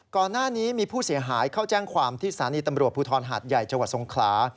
ก่อนหน้านี้มีผู้เสียหายเข้าแจ้งความที่สถานีตำรวจภูทรหาดใหญ่จังหวัดทรงขลา